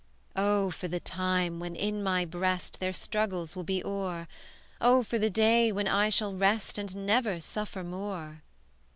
Oh, for the time, when in my breast Their struggles will be o'er! Oh, for the day, when I shall rest, And never suffer more!"